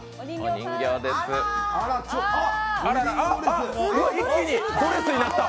あっ、あっ、ドレスになった。